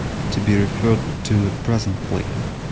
to be referred to presently.